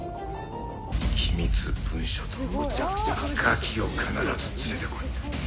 機密文書とガキを必ず連れてこい！